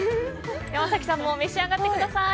山崎さんも召し上がってください。